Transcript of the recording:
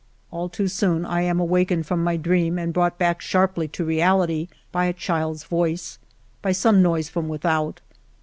All too soon I am awak ened from my dream and brought back sharply to reality by a child's voice, by some noise from without.